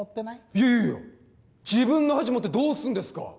いやいやいや自分の恥盛ってどうすんですか？